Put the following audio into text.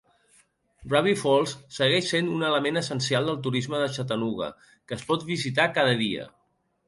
Ruby Falls segueix sent un element essencial del turisme de Chattanooga, que es pot visitar cada dia.